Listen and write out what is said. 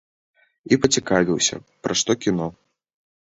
І пацікавіўся, пра што кіно.